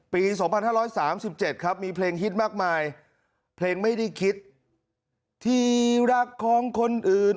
ปี๒๕๓๗ครับมีเพลงฮิตมากมายเพลงไม่ได้คิดที่รักของคนอื่น